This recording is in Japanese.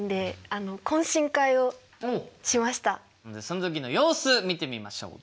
その時の様子見てみましょう。